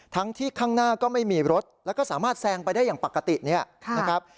ทั้งที่ข้างหน้าก็ไม่มีรถแล้วก็สามารถแซงไปได้อย่างปกติเนี่ยนะครับ